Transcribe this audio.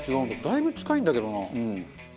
だいぶ近いんだけどな。